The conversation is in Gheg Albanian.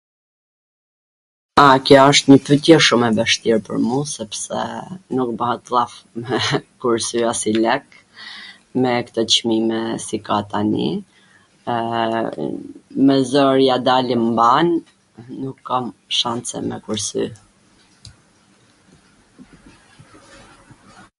a, kjo wsht njw pytje shum e vwshtir pwr mu, sepse nuk bahet llaf me kursy asnjw lek, me kto Cmime si ka tani, e me zor ja dalim mban, nuk kam shance me kursy.